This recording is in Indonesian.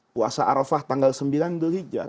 puasa arafah tanggal sembilan jul hijab